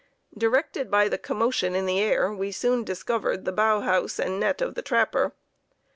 Directed by the commotion in the air, we soon discovered the bough house and net of the trapper.